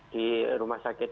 di rumah sakit itu